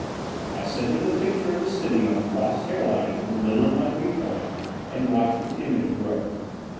I centered the picture of the city on the crossed hairlines in the middle of my viewpoint, and watched its image grow.